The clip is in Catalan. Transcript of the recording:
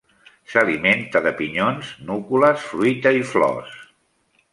S'alimenta de pinyons, núcules, fruita i flors.